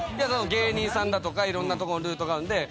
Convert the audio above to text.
芸人さんだとかいろんなとこのルートがあるんで。